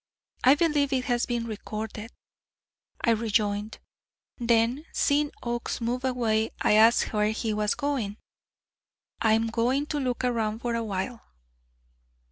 "I believe it has been recorded," I rejoined. Then seeing Oakes move away, I asked where he was going. "I am going to look around for a while."